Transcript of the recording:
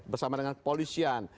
bersama dengan kepolisian